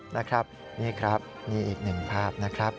นะครับนี่ครับนี่อีกหนึ่งภาพนะครับ